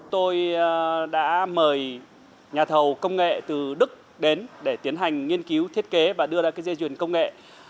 tôi đã mời nhà thầu công nghệ từ đức đến để tiến hành nghiên cứu thiết kế và đưa ra cái dây chuyền công nghệ